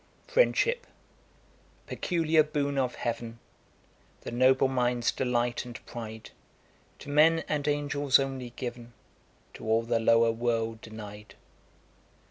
[*] 'Friendship, peculiar boon of heav'n, The noble mind's delight and pride, To men and angels only giv'n, To all the lower world deny'd.